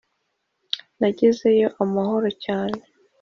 nagezeyo amahoro cyane